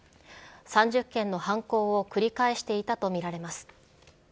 ３０件の犯行を繰り返していたと見られます。